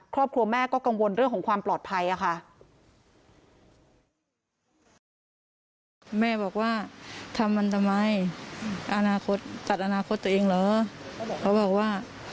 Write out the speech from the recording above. ครอบครัวแม่ก็กังวลเรื่องของความปลอดภัยค่ะ